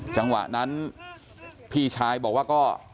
จังหวะนั้นพี่ชายบอกว่าก็